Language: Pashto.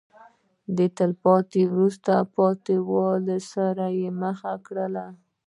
د تلپاتې وروسته پاتې والي سره یې مخ کړل.